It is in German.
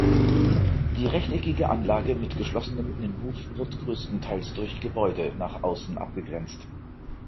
Die rechteckige Anlage mit geschlossenem Innenhof wird größtenteils durch Gebäude nach außen abgegrenzt.